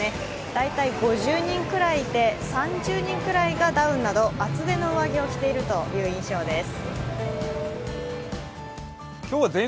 大体５０人くらいいて３０人くらいがダウンなど厚手の上着を着ているという印象です。